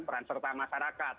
peran serta masyarakat